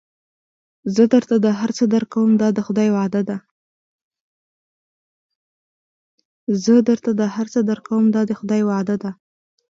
زه درته دا هر څه درکوم دا د خدای وعده ده.